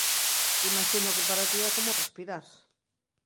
Imaxino que para ti é como respirar.